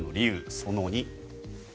その２。